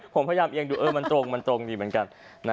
ผมพยายามเอียงดูมันตรงมันตรงดีเหมือนกัน